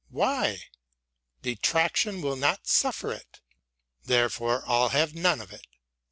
Why ? Detraction will not suffer it ; therefore I'll none of it.